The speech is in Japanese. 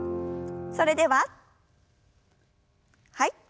それでははい。